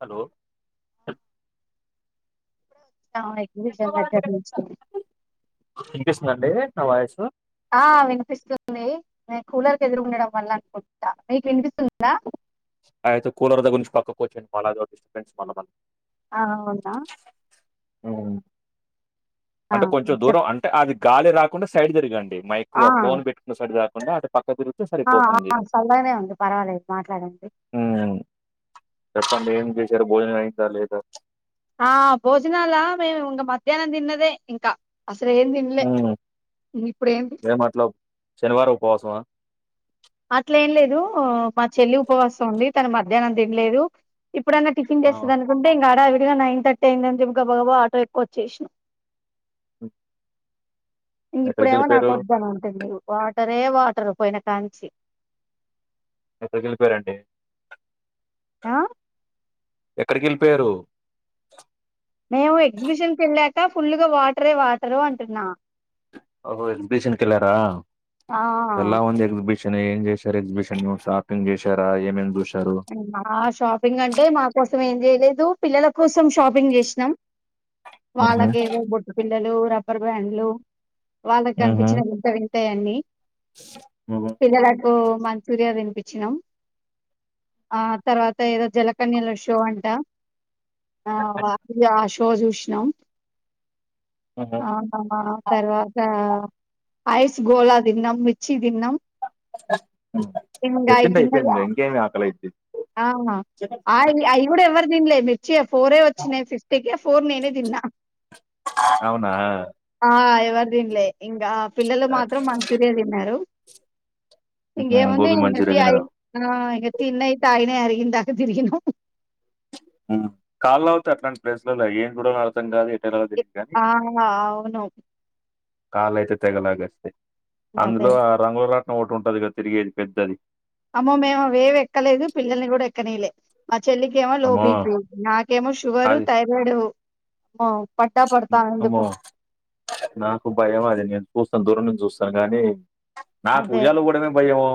Hello అవును exhibition [unintelligible] వినిపిస్తుందండి నా వాయిసు ఆ వినిపిస్తుంది నేను కూలర్ కి ఎదురు ఉండడం వల్ల అనుకుంటా మీకు వినిపిస్తుందా అయితే కూలర్ దగ్గర నుంచి పక్క కూ వచ్చేయండి [unintelligible] ఆ అవునా ఆ అంటే కొంచెం చెప్ దూరం అంటే అది గాలే రాకుండా సైడ్ తిరగండి మైకు ఆ ఫోన్ పెట్టుకున్న సైడ్ కాకుండా అ ఆ సల్నే ఉంది పర్వాలేదు మాట్లాడ చెప్పండి ఏం చేశారు భోజనం అయింద లేద ఆ భోజనాల మేము ఇంక మధ్యానం తిన్నదే ఇంక అసల్ ఎం తినలే [unintelligible] ఏం అట్లా శనివారం ఉపవాసమా అట్ల ఏం లేదు మా చెల్లి ఉపవాసం ఉంది తను మధ్యనం తినలేదు ఇప్పుడాన్న టిఫన్ చేస్తుంది అనుంటే ఇంకాడ ఇగా నైన్ థర్టీ అయింది అని చెప్పి గబా గబు ఆటో ఎక్కి వచ్చేసాను ఓ ఇంక ఇప్పుడేమో నాకు వద్దన అని అంటది వాటరే వాటర్ పోయిన కాంచి ఎక్కడికి వెళ్ళిపోయారండి ఆ ఎక్కడికి వెళ్ళిపోయారు మేము ఎగ్జిబిషన్ కి వెళ్ళాక ఫుల్గా వాటరే వాటరు అంటున్నా ఓహో ఎగ్జిబిషన్ కి వెళ్ళరా ఆ ఎలా ఉంది ఎగ్జిబిషన్ ఏం చేశారు ఎగ్జిబిషన్ లో షాపింగ్ చేశారా ఏమేం చే మా షాపింగ్ అంటే మా కోసం ఏం చే లేదు పిల్లల కోసం షాపింగ్ చేసినాం మ్హూ. వాళ్ళకే ఏదో బొట్టు పిల్ల పిల్లలు రబర్ బ్యాండ్లు వాళ్ళకి కనిపించిన వింత వింతాయన్నీ మల ఓ మంచూరియా తినిపించినాం ఆ తర్వాత ఏదో జలకన్యల షో అంట ఆ షో ఆ షో చూసినాం తర్వాత ఐస్ గోళ తినం మిర్చి తిన్నాం చెత్తింట అయిపోయింది ఇంక ఏమి ఆకల అయితే ఆా ఆ అవి కూడా ఎవ్వరు తిినలే మిర్చియా ఫోరే వచ్చినయి ఫిఫ్టీకి ఫోర్ నేనే తిన్నా అవునా ఆ ఎవరు తిన్లే ఇంకా పిల్లలు మాత్రం మంచూరియా తిన్నారు ఉహు, ఇంకేం ఉంది గోబీ ఎంగ మంచూరియా తయి తినరా ఆ ఎంగ తిన్నాయి తాగినాయి అరిగినాయి ఇందాక తిరిగినామ్ కాళ్ళు లాగుతాయి అట్లాంటి ప్లేస్ లో ఏం కూడా అర్తం కాదు ఎటెలాలో తెలియదు కానీ ఆ అవును కాళ్లు అయితే తెగలాగేస్తాయి అదే. అందులో రంగుల రాట్నం ఒకటి ఉంటది కదా తిరిగేది పెద్దది అమ్మో మేము అవేవీ ఎక్కలేదు పిల్లల్ని కూడా ఎక్కనీయలే చెల్లికి ఏమో లో అమ్మో బిపి నాకేమో షుగరు అది థైరాయిడ్ అమ్మో నాకు భయం అది చూస్తం దూర చూస్తాను గానీ నాకు అదే. ఉయ్యాలు ఊగడమే భయము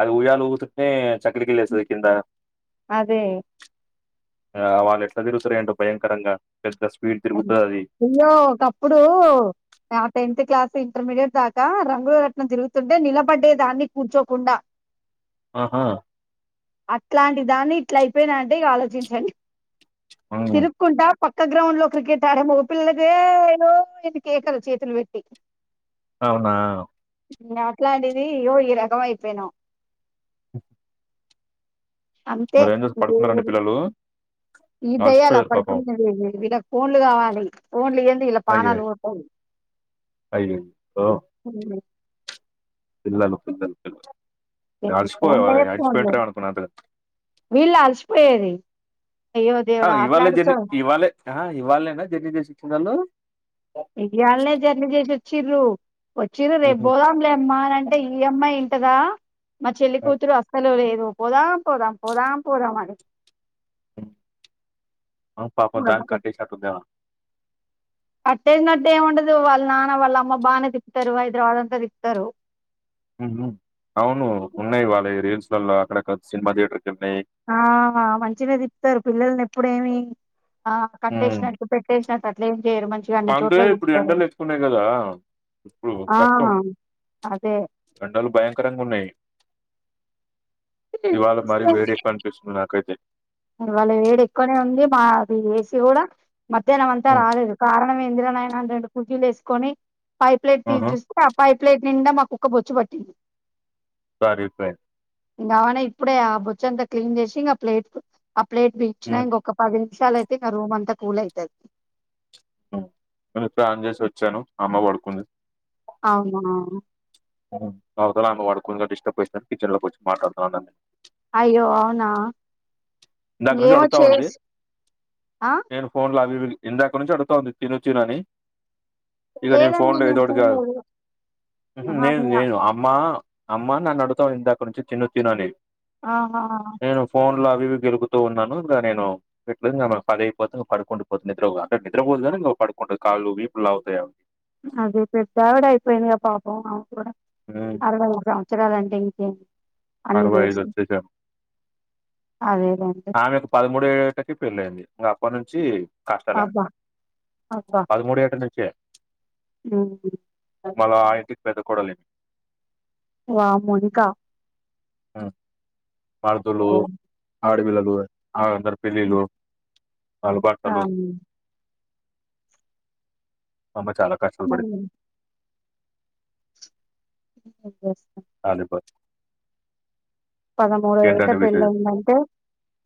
అది ఉయ్యాలు ఊతునే చక్క్రకిల్ వస్తది కింద అదే. ఆ వాళ్ళు ఎట్లా తిరుగుత్తారో ఏంటో భయంకరంగా పెద్ద స్పీడ్ తిరుగుతుంది అది అయ్యో ఒకప్పుడు ఆ టెన్త్ క్లాస్ ఇంటర్మీడియట్ దాకా రంగుల రట్నం తిగుతుంటే నిలబడ్డే దాన్ని కూర్చోకుండా ఆహా అట్లాంటి దాన్ని ఇట్లా అయిపోయినా అంటే ఇగ ఆలోచించండి ఉమ్, తిరుక్కుంటా పక్క గ్రౌండ్ లో క్రికెట్ ఆడే మగ పిల్లకే ఎన్ని కేకలు చేతులు పెట్టి అవునా అట్లాంటిది ఇగో ఈ రకం అయిపోయినం ఉ అంతే పడుకున్నారండి పిల్లలు [unintelligible] ఈ దయ్యాాల అ అలసిపోయారు పాపం పడుకునేది వీళ్లకు ఫోన్లు కావాలి ఫోన్లు ఇయ్యంది ఇలా అయ్యో పాణాలు తయి అయ్యో పిల్లలు [unintelligible] నడిచిపోయి ఫోన్లే ఫోన్లు అలసిపోయిన్నారనుకున వీళ్ళు అలసిపోయేది అయ్యో దేవుడా ఇవాళ అట్లాంటి చో జర్ని ఇవాళే ఇవాళ్ళేనా జర్నీ చేసొచ్చింది వాళ్ళు ఇవాళనే జర్నీ చేసిచ్చిరు వచ్చిది రేపు మ్మ్. పోదాంలేమ్మా అని అంటే ఈ అమ్మాయి ఇంటదా మా చెల్లి కూతురు అస్సలు లేదు పోదాం పోదాం పోదాం పోదాము అని ఆ పాప దాన కట్టేసినట్టు ఉందేమో కట్టేసినట్టు ఏముండదు వాళ్ళ నాన్న వాళ్ళ అమ్మ బాగానే తిప్పుతారు హైదరాబాద్ అంతా తిప్పుతారు ఉహు అవును ఉన్నాయి వాళ్ళ రీల్స్లలో అక్కడ సినిమా థియేటర్ ఆ మంచినే తిప్తారు పిల్లల్ని ఎప్పుడేమి ఆ మ్మ్. కట్టేసినట్టు పెట్టేసినట్టు అట్లా ఏం చేయరు మంచిగా అన్ని అంటే చోట్ల ఇప్పుడు చూపుతారు ఎండలు ఎక్కున్నాయి కదా ఇప్పుడు కష్టం ఎండలు భయంకరంగా ఉన్నాయి ఇవాళ మారి వేడి ఎక్కువ అనిపిస్తుంది నాకైతే మరి ఇవాళ వేడి ఎక్కువనే ఉంది మాది ఏసి కూడా మధ్యాహ్నమంతా మ్మ్. రాలేదు కారణం ఏందిరా నాయన అంటండు కుర్చీలు వేసుకొని పైప్లైట్ తీసి ఆహా. చూస్తే ఆ పైప్లైట్ నిండా మా కుక్క బొచ్చి పట్టింది సరిపోయింది ఇంకా ఆమెనే ఇప్పుడే ఆ బుచ్చంతా క్లీన్ చేసి ఇంక ప్లేట్ ఆ ప్లేట్ తిచ్చిన ఇంకొక పది నిమిషాలైతే రూమ్ అంత కూల్ అయితది నేను ఫ్యాన్ చేసి వచ్చాను అమ్మ పడుకుంది అవునా అవతల ఆమె పడుకుంది కదా డిస్టర్బ్ చేస్తాను కిచెన్ లోకిచ్చి మాట్లాడుతున్నాను నేను అయ్యో అవునా ఇందాకా నుంచి ఏమో అడుగుతా ఉంది చేసి ఆ నేను ఫోన్ లో అవి ఇవి ఇందాక నుంచి అడుతాంది తినుచను అని ఇక నేను ఫోన్ లేదండి లో ఏదోటి కాదు తినలేదు ఆహా నేను అవునా? నేను అమ్మ అమ్మా నన్ను అడుతాంది ఇందాక్క నుంచి తిను తిను అని ఆహా నేను ఫోన్ లో అవి ఇవి గెలుగుతూ ఉన్నాను ఇక నేను ఎట్ల ఇంగ పది అయిపోతేక పడుకుండి పోద్ది నిద్రపోదు అంటే నిద్రపోదు కానీ పడు కాల్లు వీపు లాగుతాయి అది పెద్దవిడ అయిపోయిందిగా పాపం అమ కూడా ఉమ్, అరవై ఐదు సంవత్సరాలండి కె అరవై ఐదు వచ్చశాయి అదేలేండి ఆమెకి పదమూడు ఏటకి పెళ్ళయింది ఇగా అప్పటి నుంచి కష్టాలే అబ్బా! అబ్బా! పదమూడో ఏటనుంచే హ్మ్. మల్ల ఆ ఇంటికి పెద్ద కోడలు ఈమె వామ్మో ఇంకా ఉమ్ మరదులు ఆడబిడ్డలు వాళ్ళ అందరి పెళ్లిళ్లు వాళ్ళ ఆ! భర్తలు మా అమ్మ చాలా కష్టాలు పడింది హ్మ్. ఏమ్ అదిపో పదమూడో ఏట పెళ్లయిందంటే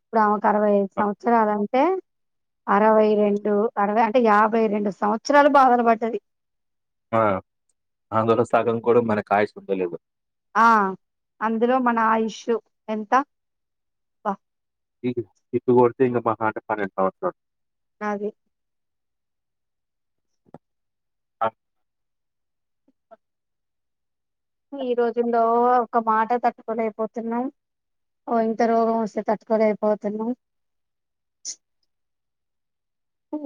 ఇప్పుడమెకు అరవై ఐదు సంవత్సరాలు అంటే అరవై రెండు అరవై అంటే యాభై రెండు సంవత్సరాలు బాధలు పడ్తది ఆ అందులో సగం కూడా మనకు ఆయుష్ ఉందో లేదో ఆ అందులో మన ఆయుష్షు ఎంత ఈ తిప్పు కొడితే ఇంగా మహా అంటే పన్నెండు సంవత్సరాలు అదే ఆ ఈ రోజుల్లో ఒక మాట తట్టుకోలేకపోతున్నాం ఓ ఇంత రోగం వస్తే తట్టుకోలేకపోతున్నాం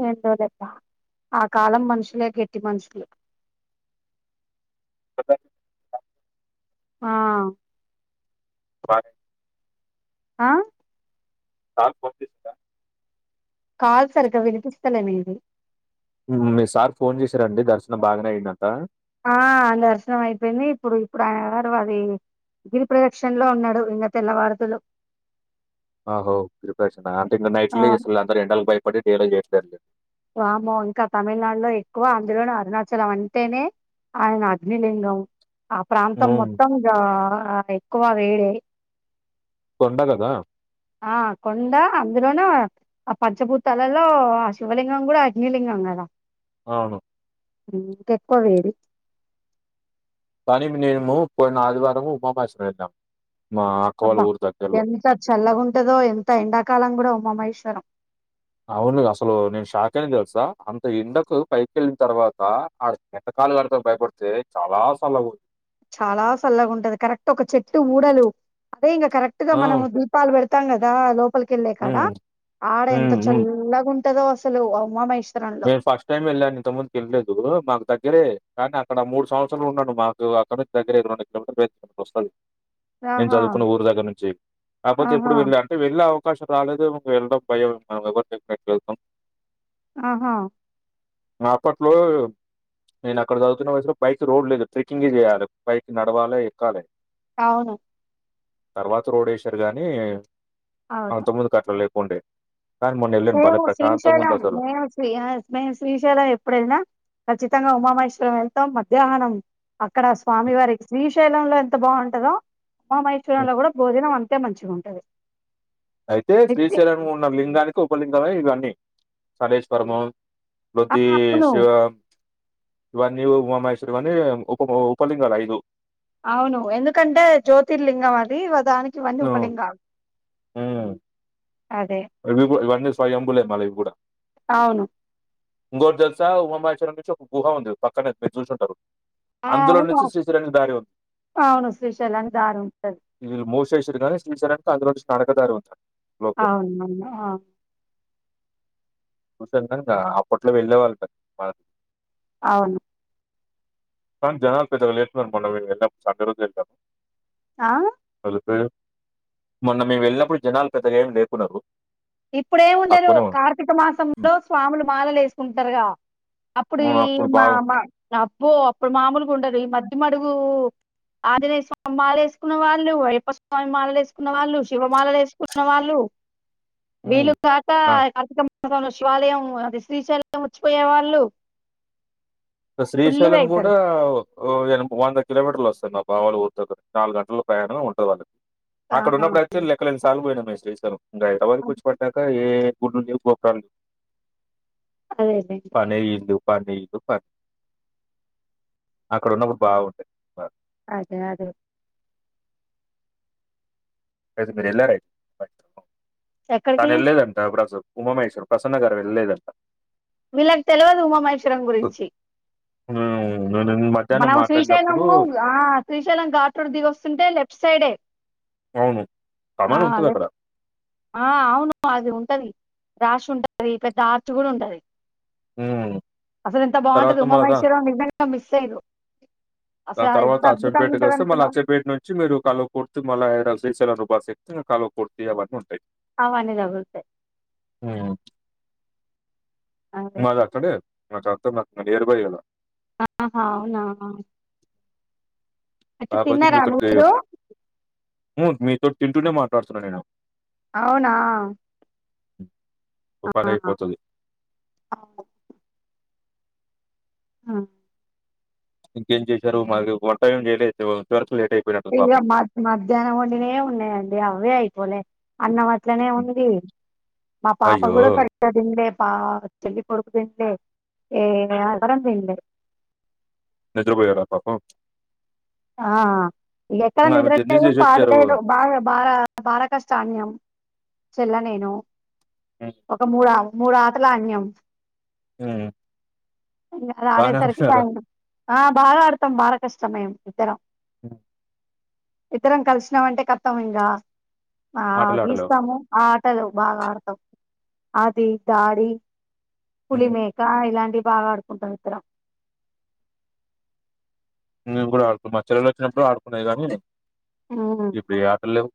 ఏందో లే అక్క ఆ కాలం మనుషులే గట్టి మనుషులు [inaudible] [inaudible] ఆ బానే ఆ సార్ కి ఫోన్ చేసిండా కాల్ సరిగ్గా వినిపిస్తలే నీది హ్మ్ మీ సార్ ఫోన్ చేసారండి దర్శనం బాగానే అయిందంటనా ఆ దర్శనం అయిపోయింది ఇప్పుడు ఇప్పుడు ఆయన వారీ గిరి ప్రదక్షణలో ఉన్నాడు ఇంకా తెల్లవార్దులు ఆహో గిరిప్రదక్షణ అంటే ఇంకా ఆ! నైట్లే ఇసలు అందరూ ఎండలకి భయపడి డేలో చేయట్లేదులే వామ్మో ఇంకా తమిళనాడులో ఎక్కువ అందులోన అరుణాచలం అంటేనే ఆయన అగ్ని లింగం ఆ ప్రాంతం మొత్తం ఇంగా ఎక్కువ వేడే కొండ కదా ఆ కొండా అందులోను ఆ పంచభూతాలలో ఆ శివలింగం కూడా అగ్నిలింగం కదా అవును హ్మ్ ఇంకేక్కువ వేడి కాని మేము పోయిన ఆదివారం ఉమామహేశ్వరం వెళ్ళినాం మా అక్క వాళ్ళ అబ్బా ఊరి దగ్గరలో ఎంత చల్లగుంటదో ఎంత ఎండాకాలం కూడా ఉమాహేశ్వరం అవును అసలు నేను షాక్ అయినా తెలుసా అంత ఎండకు పైకెళ్ళిన తర్వాత ఆడ ఎండక్ కాళ్లు కడుక్కునే భయపడితే చాలా సల్లగుంది చాలా సల్లగా ఉంటది కరెక్ట్ ఒక చెట్టు ఊడలు అదే ఇంకా కరెక్ట్ గా ఆ! మనం దీపాలు పెడు తాం కదా లోపలి కెళ్ళే కాడ హ్మ్. ఆడ ఎంత హ్మ్. హ్మ్. చల్లగా ఉంటదో అసలు ఉమామహేష్ నేను ఫస్ట్ టైం వెళ్లాను ఇంతకుముందు వెళ్లలేదు మాకు దగ్గరలో దగ్గరే కానీ అక్కడా మూడు సంవత్సరాలు ఉన్నాను మాకు అక్కడినుంచి దగ్గర రెండు కిలోమీటర్ అలా వస్తాది నేను ఆహా చదువుకున్న ఊరు దగ్గర నుంచి కాకపోతే ఆహా ఎప్పుడు వెళ్ళ అంటే వెళ్ళాం అవకాశం రాలేదేమో వెళ్ళడం భయం ఏమో లేదు ఆహా ఆ అప్పట్లో నేను అక్కడ చదువుతున్న వయసులో పైకి రోడ్ లేదు ట్రెక్కింగ్ చేయాలి పైకి నడవాలే ఎక్కాలే అవును తర్వాత రోడ్డు ఏశారు గాని అవును అంతక ముందు అట్లా లేకుండే కాని మొన్న ఏళ్ళాను బలే మేము ప్రశాంతంగా ఉంది శ్రీశైలం అసలు మేము శ్రీశైలం ఎప్పుడైనా ఖచ్చితంగా ఉమామహేశ్వరం వెళ్తాం మధ్యాహ్నం అక్కడ స్వామి వారికి శ్రీశైలంలో ఎంత బాగుంటదో ఉమామహేశ్వరం హ్మ్. లో కూడా భోజనం అంతే అంతే మంచిగా ఉంటది అయితే మిక్సీ శ్రీశైలంలో ఉన్న లింగానికి ఉపలింగమై ఇవన్నీ సరేశ్వరము ఆ బొద్ది అవును శివా ఇవన్నీ ఉమామహేశ్వరి ఇవన్నీ ఉప ఉపలింగాలు ఐదు అవును ఎందుకంటే జ్యోతి లింగం అది వద్ దానికి ఇవన్నీ హ్మ్. ఉపలింగాలు అదే అవేవో ఇవన్నీ స్వయంభులే మళ్ళీ ఇవి గూడా అవును ఇంగోటి దెలుసా ఉమాహేశ్వరం నుంచి ఒక గుహ ఉంది పక్కనే మీరు చూసుంటారు ఆ అందులో అవును నుంచి శ్రీశైలానికి దారి ఉంది అవును శ్రీశైలానికి దారి ఉంటది వీళ్ళు మోసేసిర్రు గాని శ్రీశైలానికి అందులోనుంచి నడక దారుంది అవునమ్మ ఆ ఉదంట ఆ అప్పట్లో వెళ్ళే వాళ్ళు అంట మద్ అవును కాని జనాల్ పెద్దగా లేకుంటే మొన్న మేము యెళ్ళపుడు సాటడే రోజే ఏళ్లం ఆ ఏళ్లకపోయిర్ మొన్న మేమ్ యెళ్ళినప్పుడు జనాలు పెద్దగా ఎమ్ లేకున్నరు ఇపుడేం వుండరు కార్తీక మాసంలో స్వాములు మాలల్లేసుకుంటారుగా అప్పుడు ఆ! ఈ మా బాగు మా అబ్బో అప్పుడు మామూలుగా ఉండదు ఈ మద్దిమడుగు ఆంజనేయ స్వామి మాల ఏసుకున్న వాళ్ళు అయ్యప్ప స్వామి మాలలు ఏసుకున్న వాళ్ళు శివమాలలు ఏసుకున్న వాళ్ళు వీళ్ళు హ్మ్. కాకా ఆ! కార్తీకం సుకంలో శివాలయం అది శ్రీశైలం వచ్చిపోయే వాళ్ళు ఇగ ఫుల్లుగా శ్రీశైలం గూడా అయితారు ఓ ఇగ వంద కిలోమీటర్లు వస్తది మా బావోలు పోతురు నాలుగు గంటల్లో ప్రయాణం ఉంటది వాళ్ళకి ఆహా అక్కడున్నపుడైతే లెక్క లెన్నిసార్లు పోయినం మేమ్ శ్రీశైలం ఇంగా హైదరాబాద్కి వచ్చిపడ్డాక ఏ గుల్లు లేవ్ గోపురాలేవ్ అదేలేండి పనే ఇల్లు పని ఇల్లు బట్ అక్కడ ఉన్నప్పుడు బావుండే బ అదే అది అయితే మీరు యెళ్లారైతే తను ఎక్కడికి యెళ్లెదంటా అప్పుడు అసలు ఉమామహేశ్వర్ ప్రసన్న గారు వెళ్ళలేందట వీళ్ళకు తెల్వదు ఉమా మహేశ్వరం గురించి ఉమ్ మనం శ్రీశైలము ఆ శ్రీశైలం ఘూట్టు రోడ్డు దిగి వస్తుంటే లెఫ్ట్ సైడే అవును. ఆ కమాన్ అదే ఉంటదక్కడ. ఆ అవును అది ఉంటది రాసి ఉంటది పెద్ద అర్చ్ గూడా ఉంటది ఉమ్ అసలు ఎంత బాగుంటదో ఉమా మహేశ్వరం నిజంగా మిస్ అయిర్రు దాని తర్వాత అచ్చంపేటకొస్తే మళ్ళ అచ్చంపేట నుంచి మీరు కల్వకుర్తి మళ్ళీ హైడల్స్ శ్రీశైలం రూపాస్ ఎక్కితే కల్వకుర్తి అవన్నీ ఉంటాయ్ అవన్నీ దగుత్తాయ్ హ్మ్. మాది అక్కడే మాద్ అంతా నియర్ బైయ్ గదా ఆ ఆహా అవునా అయితే కాపోతే ఇంగ తిన్నారా ఇక్కడికి మీరు ఉమ్ మీతోటి తింటూనే మాట్లాడుతున్నా నేను అవునా ఓ ఆ, పనైపోతది అవును. ఉమ్ ఇంకేచేశారు మాది వంట ఏం జేయలే ఇంత వరక్ ఇంగా మధ్యాహ్నం వండినే ఉన్నాయండి అవే అయిపోలే అన్నం అట్లనే హ్మ్. ఉంది మా పాప అయ్యో! గూడా సరిగ్గా దిన్లే పా చెల్లి కొడుకు పెళ్ళె ఏ మేమందరం దిన్లే నిద్రపోయారా పాపం ఆఆ ఇగా ఎక్కడ హ్మ్. ఆమె జర్నీ నిద్రలేదు చేసి వచ్చారు. పాడులేదు బా బాగా పాళ్ళ కష్టం అనియం చెల్ల నేను హ్మ్. ఒక మూడా మూడాటలాడినం హ్మ్. అదే ఆడే బానే సరికి ఆడుతున్నారు. టైం ఆ బాగా ఆడతాం బాలాకిష్టం మేం ఇద్దరం హు ఇతరం కలిసినామంటే కతాం ఇంకా ఆ ఆటలు ఆడలేవు. గీస్తాము ఆ పట్టదు బాగా ఆడతాం అది దాడి హ్మ్. పులిమేక ఇలాంటి బాగా ఆడుకుంటాం ఇద్దరం మేము కూడా ఆడుకుం మా చెల్లెలు వచ్చినప్పుడు ఆడుకున్నాది కానీ ఉమ్. ఇప్పుడు ఏ ఆటలులేవు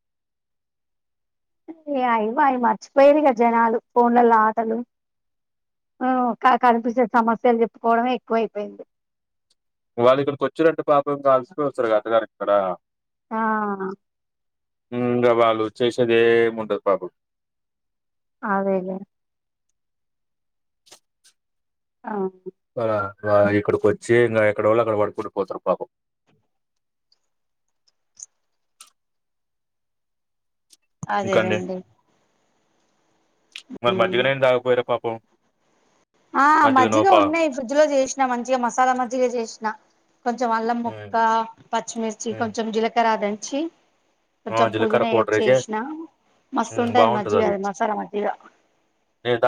ఇ అయిమాయి మర్చిపోయిండ్రు కదా జనాలు ఫోన్లల్లో ఆటలు ఆ క కనిపిస్తే సమస్యలు చెప్పుకోవడమే ఎక్కువైపోయింది వాళ్ళు ఇక్కడికి వచ్చిరంటే పాపం కాల్సిపోవస్తారు గతగారు ఇక్కడ ఆ ఇంక వాళ్ళు చేసేదేముండదు పాపం అవేలే ఆ ఇక్కడికి వచ్చి ఇంకా ఎక్కడ వాళ్ళ అక్కడ పడుకుంట పోతారు పాపం ఇంకండి అదేరెండి మరి మజ్జిగ నీళ్లు తాగబోయిండ్రు పాపం ఆ మజ్జిగనో మజ్జిగ పా ఉన్నాయి ఫ్రిడ్జ్ లో చేసినా మంచిగా మసాలా మజ్జిగ చేసినా కొంచెం అల్లం ఉమ్, ముక్క పచ్చిమిర్చి ఉమ్, కొంచెం జీలకర్ర దంచి ఆ కొంచెం జీలకర్ర పుదీనా ఏ పౌడర్ వేసి చేసినా మస్తు ఉంటది మజ్జిగది మసాలా మజ్జిగా ఏదా